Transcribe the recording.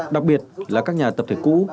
đặc biệt là các nhà tập thể cũ